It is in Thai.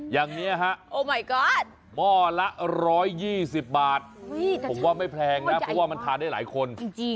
อย่างนี้ฮะโอ้ใหม่ก่อนหม้อละ๑๒๐บาทผมว่าไม่แพงนะเพราะว่ามันทานได้หลายคน